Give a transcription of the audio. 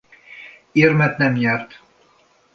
Érmet nem nyert.